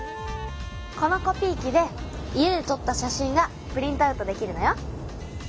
このコピー機で家でとった写真がプリントアウトできるのよ。